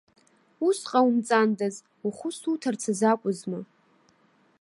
Ус ҟоумҵандаз, ухәы суҭарц азы акәызма.